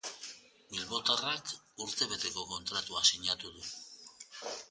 Bilbotarrak urtebeteko kontratua sinatu du.